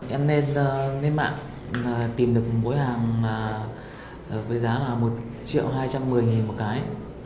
em lên mạng tìm được mỗi hàng với giá là một triệu hai trăm một mươi nghìn một cái